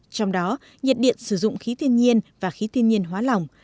trong đó nhiệt điện sử dụng khí thiên nhiên và khí thiên nhiên hóa lỏng